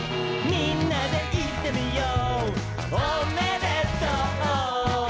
「みんなでいってみよう」